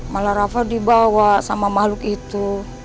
malah rafa dibawa sama makhluk itu